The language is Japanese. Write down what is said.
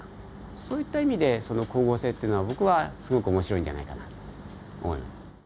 そういった意味でその光合成っていうのは僕はすごく面白いんじゃないかなと思います。